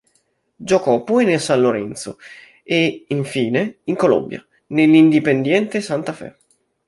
Giocò poi nel San Lorenzo e, infine, in Colombia nell'Independiente Santa Fe.